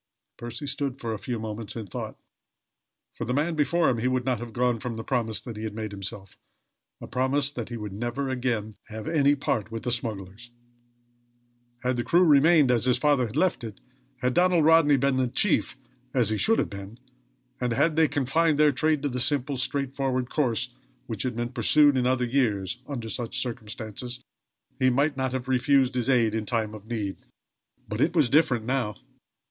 Percy stood for a few moments in thought. For the man before him he would not have gone from the promise he had made himself a promise that he would never again have any part with the smugglers. Had the crew remained as his father had left it had Donald Rodney been the chief, as he should have been and, had they confined their trade to the simple, straightforward course which had been pursued in other years, under such circumstances he might not have refused his aid in a time of need; but it was different now.